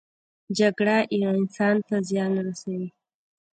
جګړه انسان ته زیان رسوي